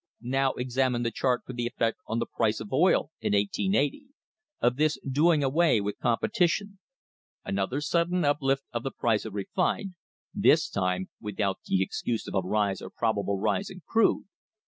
Now examine the chart for the effect on the price of oil in 1880, of this doing away with competition another sudden uplift of the price of refined, this time without the excuse of a rise or probable rise in crude.